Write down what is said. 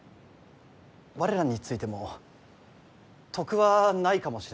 我らについても得はないかもしれません。